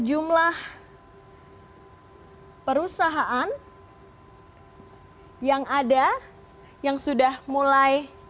jumlah perusahaan yang ada yang sudah mulai